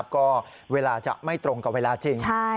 ก็เวลาจะไม่ตรงกับเวลาจริง